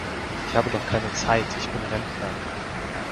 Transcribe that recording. Ich habe doch keine Zeit, ich bin Rentner.